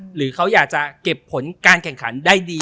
หรือเขาอยากจะเก็บผลการแข่งขันได้ดี